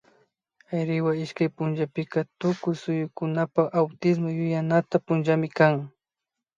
Ayriwa ishkay punllapika tukuy suyukunapak Autismo yuyanata punllami kan